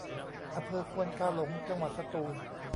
อำเภอควนกาหลง จังหวัดสตูล